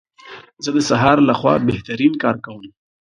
زه د سهار لخوا بهترین کار کوم.